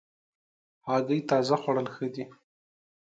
هګۍ تازه خوړل ښه دي.